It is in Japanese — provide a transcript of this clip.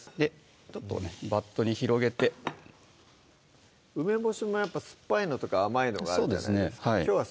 ちょっとねバットに広げて梅干しも酸っぱいのとか甘いのがあるじゃないですか